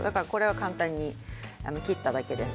簡単に切っただけです。